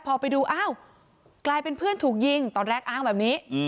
พอไปดูอ้าวกลายเป็นเพื่อนถูกยิงตอนแรกอ้างแบบนี้